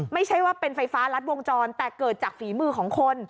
ไม่ใช่ว่าเป็นไฟฟ้ารัดวงจรแต่เกิดจากฝีมือของคน